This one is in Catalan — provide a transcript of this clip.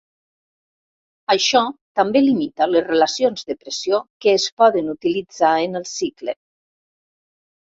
Això també limita les relacions de pressió que es poden utilitzar en el cicle.